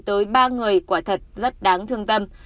tới ba người quả thật rất đáng thương tâm